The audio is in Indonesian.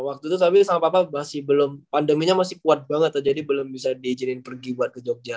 waktu itu tapi sama papa masih belum pandeminya masih kuat banget jadi belum bisa diizinin pergi buat ke jogja